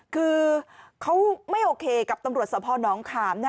คือเขาไม่โอเคกับตำรวจสภน้องขาม